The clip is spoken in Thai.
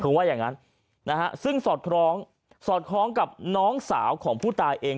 คือว่าอย่างนั้นนะฮะซึ่งสอดคล้องสอดคล้องกับน้องสาวของผู้ตายเอง